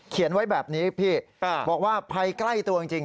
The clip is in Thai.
ไว้แบบนี้พี่บอกว่าภัยใกล้ตัวจริง